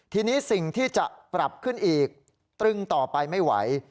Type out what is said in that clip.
ทีนี้สิ่งที่จะปรับขึ้นอีกตรึงต่อไปไม่ไหว